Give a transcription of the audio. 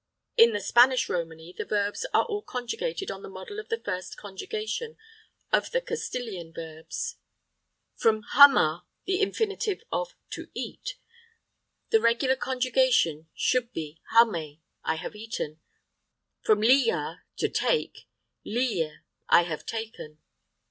In the Spanish Romany the verbs are all conjugated on the model of the first conjugation of the Castilian verbs. From jamar, the infinitive of "to eat," the regular conjugation should be jame, "I have eaten." From lillar, "to take," lille, "I have taken."